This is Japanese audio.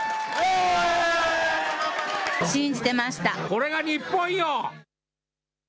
これが日本よ。